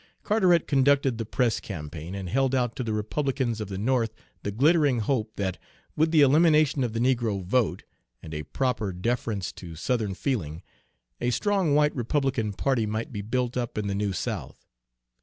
Carteret conducted the press campaign, and held out to the Republicans of the North the glittering hope that, with the elimination of the negro vote, and a proper deference to Southern feeling, a strong white Republican party might be built up in the New South.